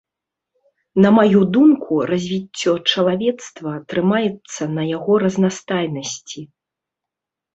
На маю думку, развіццё чалавецтва трымаецца на яго разнастайнасці.